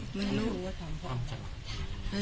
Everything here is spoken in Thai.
ทำเพราะอะไร